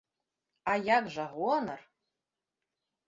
А як жа, гонар!